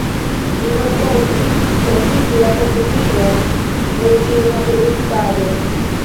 Li malkovris profiti la komputilon en filma produktado.